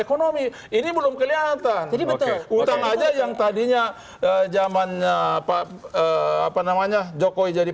ekonomi ini belum kelihatan jadi betul utang aja yang tadinya zamannya pak apa namanya jokowi jadi